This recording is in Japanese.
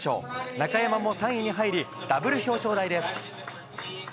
中山も３位に入り、ダブル表彰台です。